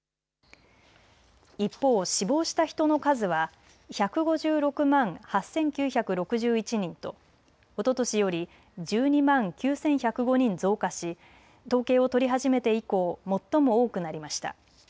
一方、死亡した人の数は１５６万８９６１人とおととしより１２万９１０５人増加し統計を取り始めて以降最も多くなりました。